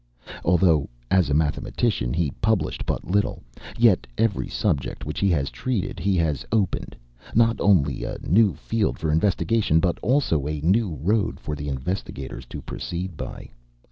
Although, as a mathematician, he published but little, yet in every subject which he has treated he has opened, not only a new field lor investigation, but also a new road for the investigators to proceed by.